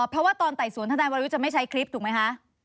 เพราะว่าตอนไต่สวนทนายวรยุทธ์จะไม่ใช้คลิปถูกไหมคะ